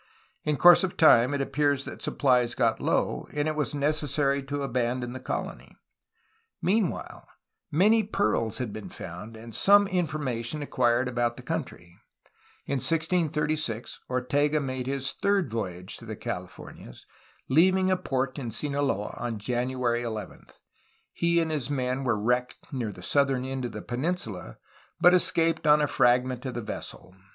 In course of time it appears that suppHes got low, and it was necessary to abandon the colony. Meanwhile many pearls had been found and some information acquired about the country. In 1636 Ortega made his third voyage to the Californias, leaving a port in Sinaloa on January 11. He and his men were wrecked near the southern end of the peninsula, but escaped on a fragment of the vessel.